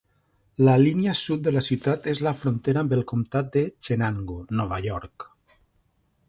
La línia sud de la ciutat és la frontera amb el comtat de Chenango, Nova York.